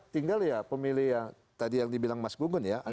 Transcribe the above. tinggal ya pemilih yang tadi yang dibilang mas gunggun ya